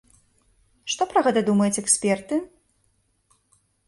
Што пра гэта думаюць эксперты?